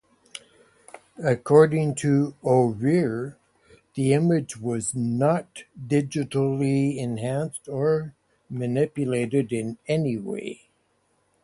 According to O'Rear, the image was not digitally enhanced or manipulated in any way.